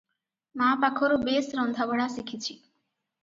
ମା ପାଖରୁ ବେଶ ରନ୍ଧାବଢ଼ା ଶିଖିଛି ।